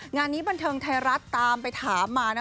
งานนี้บันเทิงไทยรัฐตามไปถามมานะ